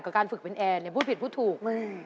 กับการฝึกเป็นแอร์พูดผิดพูดถูก